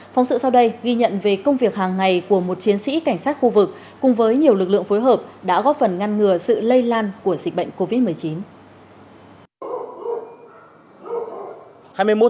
phóng sự sau đây ghi nhận về công việc hàng ngày của một chiến sĩ cảnh sát khu vực cùng với nhiều lực lượng phối hợp đã góp phần ngăn ngừa sự lây lan của dịch bệnh covid một mươi chín